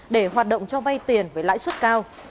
để hoạt động cho vay tiền với lãi suất cao